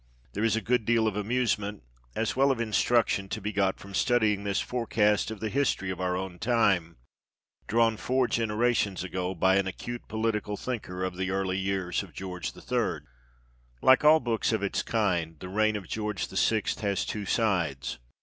There is a good deal of amusement, as well as of instruction, to be got from studying this forecast of the history of our own time, drawn four generations ago by an acute political thinker of the early years of George III. via THE EDITOR'S PREFACE. Like all books of its kind, " The Reign of George VI." has two sides.